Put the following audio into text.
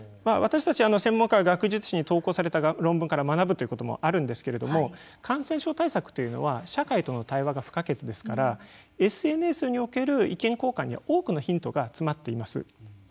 私たち専門家は学術誌に投稿された論文から学ぶということはあるんですけれども感染症対策というのは社会との対話が不可欠ですからＳＮＳにおける意見交換には多くのヒントが詰まっています。